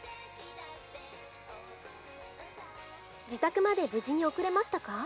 「自宅まで無事に送れましたか？」。